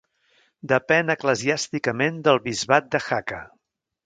Depèn eclesiàsticament del Bisbat de Jaca.